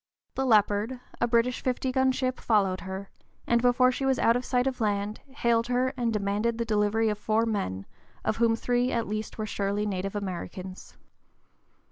The Leopard, a British fifty gun ship, followed her, and before she was out of sight of land, hailed her and demanded the delivery of four men, of whom three at least were surely native Americans.